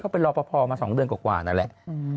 เขาไปรอพอมา๒เดือนกว่านั่นแหละ